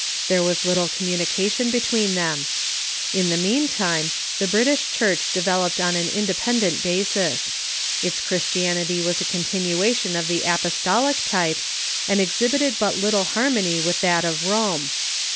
There was little communication between them. In the meantime, the British Church devel oped on an independent basis. Its Christianit}^ Avas a con tinuation of the apostolic type, and exhibited but little har mony with that of Rome.